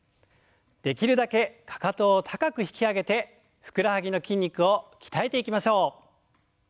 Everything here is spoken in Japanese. できるだけかかとを高く引き上げてふくらはぎの筋肉を鍛えていきましょう。